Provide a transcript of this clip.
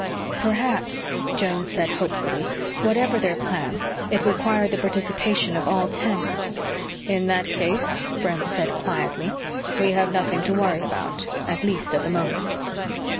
"Perhaps," Jones said hopefully, "whatever their plan, it required the participation of all ten." "In that case," Brent said quietly, "we have nothing to worry about. At least, at the moment."